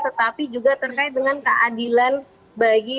tetapi juga terkait dengan keadilan bagi